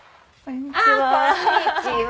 こんにちは。